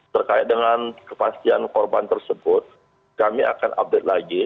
berkait dengan kepastian korban tersebut kami akan update lagi